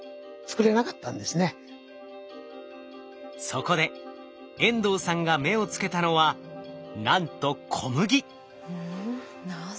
そこで遠藤さんが目をつけたのはなんとうん。